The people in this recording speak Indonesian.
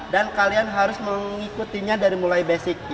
dan kalian harus mengikutinya dari mulai basic